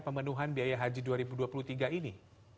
pemenuhan biaya haji dua ribu dua puluh tiga ini